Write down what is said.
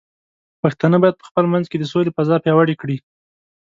پښتانه بايد په خپل منځ کې د سولې فضاء پیاوړې کړي.